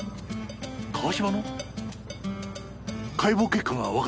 川島の解剖結果がわかったんですか。